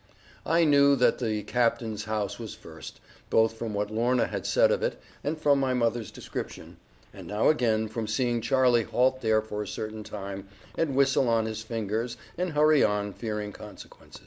I knew that the captain's house was first, both from what Lorna had said of it, and from my mother's description, and now again from seeing Charlie halt there for a certain time, and whistle on his fingers, and hurry on, fearing consequence.